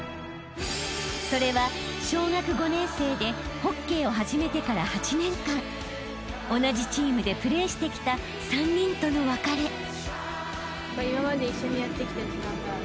［それは小学５年生でホッケーを始めてから８年間同じチームでプレーしてきた３人との別れ］